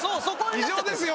異常ですよ。